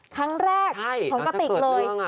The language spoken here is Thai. ครั้งแรกของกติกเลย